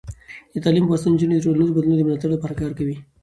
د تعلیم په واسطه، نجونې د ټولنیزو بدلونونو د ملاتړ لپاره کار کوي.